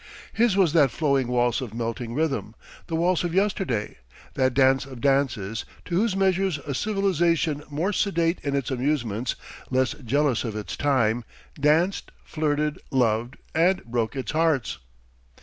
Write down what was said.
His was that flowing waltz of melting rhythm, the waltz of yesterday, that dance of dances to whose measures a civilization more sedate in its amusements, less jealous of its time, danced, flirted, loved, and broke its hearts.